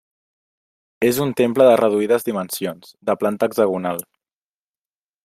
És un temple de reduïdes dimensions, de planta hexagonal.